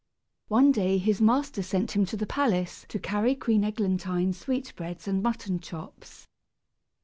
One day his master sent him to the palace to carry Queen Eglantine's sweetbreads and mutton chops.